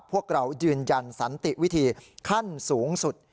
พวกเรายืนยันสันติวิธีขั้นสูงสุด